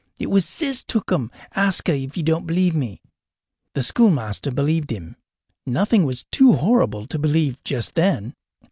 It was Sis took 'em. Ask her, if you don't believe me." The schoolmaster believed him. Nothing was too horrible to believe just then.